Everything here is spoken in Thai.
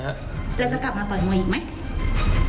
จะจะกลับมาต่อยมืออีกไหม